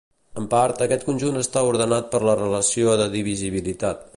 En part, aquest conjunt està ordenat per la relació de divisibilitat.